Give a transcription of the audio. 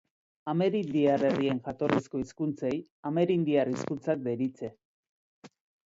Amerindiar herrien jatorrizko hizkuntzei amerindiar hizkuntzak deritze.